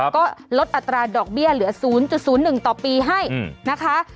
ก็ลดอัตราดอกเบี้ยเหลือ๐๐๑ต่อปีให้นะคะ